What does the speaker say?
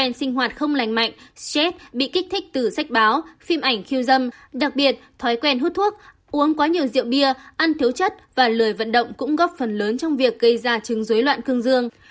mn sinh hoạt không lành mạnh stress bị kích thích từ sách báo phim ảnh khiêu dâm đặc biệt thói quen hút thuốc uống quá nhiều rượu bia ăn thiếu chất và lời vận động cũng góp phần lớn trong việc gây ra chứng dối loạn cương dương